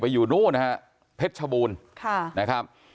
ไปอยู่นู่นนะฮะเพชรบูนนะครับ